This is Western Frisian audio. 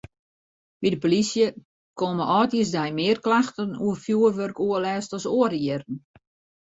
By de polysje komme âldjiersdei mear klachten oer fjoerwurkoerlêst as oare jierren.